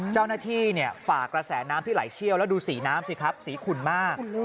ฝากกระแสน้ำที่ไหลเชี่ยวแล้วดูสีน้ำสิครับสีขุ่นมาก